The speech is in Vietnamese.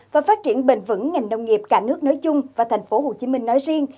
và phát triển bền vững ngành nông nghiệp cả nước nói chung và tp hcm nói riêng